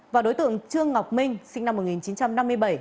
và đối tượng trương ngọc minh sinh năm một nghìn chín trăm năm mươi bảy